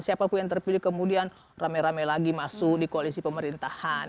siapapun yang terpilih kemudian rame rame lagi masuk di koalisi pemerintahan